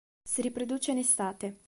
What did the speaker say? Si riproduce in estate.